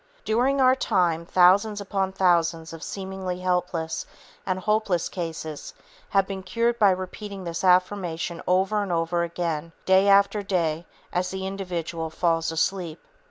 During our time, thousands upon thousands of seemingly helpless and hopeless cases have been cured by repeating this affirmation over and over again, day after day, as the individual falls asleep.